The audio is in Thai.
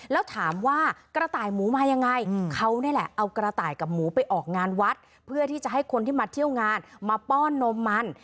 แล้วถามว่ากระต่ายหมูมายังไงเขานี่แหละเอากระต่ายกับหมูไปออกงานวัดเพื่อที่จะให้คนที่มาเที่ยวงานมาป้อนนมมัน